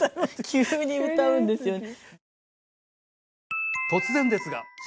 急に歌うんですよね。